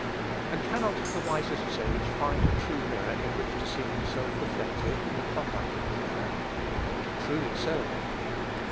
And cannot the wisest sage find a true mirror in which to see himself reflected in the conduct of a child? Truly so.